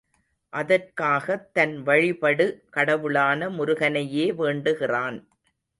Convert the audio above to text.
அதற்காகத் தன் வழிபடு கடவுளான முருகனையே வேண்டுகிறான்.